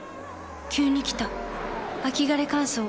急に来た秋枯れ乾燥。